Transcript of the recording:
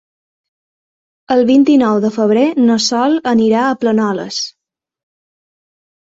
El vint-i-nou de febrer na Sol anirà a Planoles.